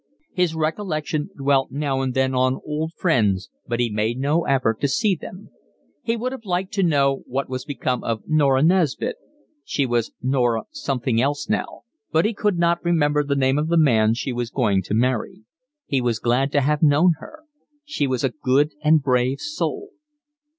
His recollection dwelt now and then on old friends, but he made no effort to see them. He would have liked to know what was become of Norah Nesbit; she was Norah something else now, but he could not remember the name of the man she was going to marry; he was glad to have known her: she was a good and a brave soul.